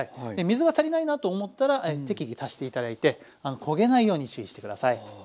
水が足りないなと思ったら適宜足して頂いて焦げないように注意して下さい。